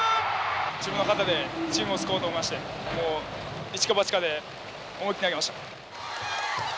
自分の肩でチームを救おうと思いましてもう一か八かで思い切り投げました。